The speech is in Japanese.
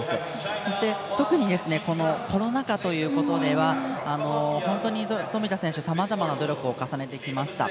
そして、特にコロナ禍ということでは本当に富田選手、さまざまな努力を重ねてきました。